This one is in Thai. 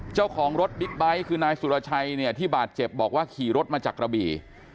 เจ้าของรถบิ๊กไบท์คือนายสุรชัยเนี่ยที่บาดเจ็บบอกว่าขี่รถมาจากกระบี่